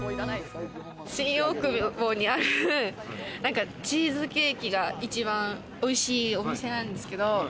新大久保にある、チーズケーキが一番おいしいお店なんですけど。